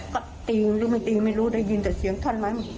ก็ตีรู้มั้ยตีไม่รู้ได้ยินแต่เสียงท่อนมั้ย